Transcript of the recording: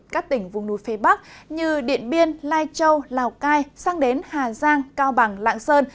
các tỉnh vùng núi phía bắc như điện biên lai châu lào cai sang đến hà giang cao bằng lạng sơn